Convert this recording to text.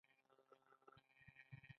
سیاسي شعارونه عمل نه کول دروغ دي.